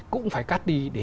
cũng phải cắt đi